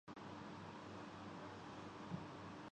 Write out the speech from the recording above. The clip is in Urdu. face book film theatre